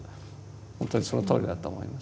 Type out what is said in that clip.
本当にそのとおりだと思います。